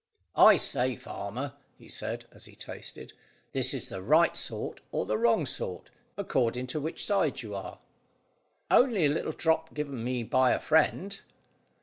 "I say, farmer," he said, as he tasted, "this is the right sort or the wrong sort, according to which side you are." "Only a little drop given me by a friend."